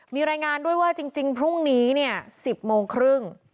มีรายงานด้วยว่าจริงพรุ่งนี้เนี่ย๑๐โมงครึ่ง